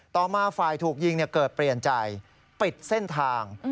ต่อมาฝ่ายถูกยิงเกิดเปลี่ยนใจปิดเส้นทาง